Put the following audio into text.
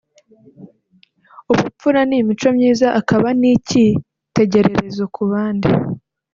ubupfura n’imico myiza akaba icyitegererezo ku bandi